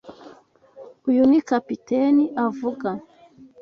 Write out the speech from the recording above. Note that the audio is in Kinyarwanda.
Uyu ni capitaine avuga.